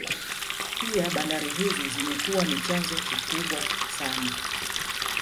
Pia bandari hizi zimekuwa ni chanzo kikubwa sana